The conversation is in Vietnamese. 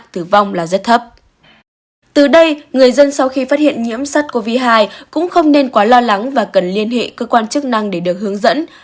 từ đây người dân sau khi phát hiện nhiễm sắc covid một mươi chín cũng không nên quá lo lắng và cần liên hệ cơ quan chức năng để được hướng dẫn